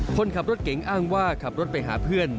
คนขับรถเก๋งอ้างว่าขับรถไปหาเพื่อน